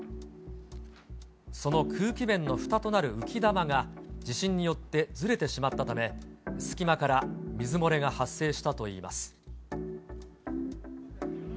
その空気弁のふたとなる浮き玉が地震によってずれてしまったため、隙間から水漏れが発生したといいます。